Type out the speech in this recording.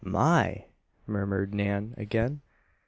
"My!" murmured Nan again.